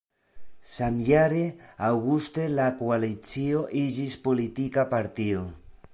Samjare aŭguste la koalicio iĝis politika partio.